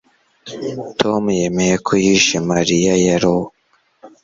Tom yemeye ko yishe Mariya yarrow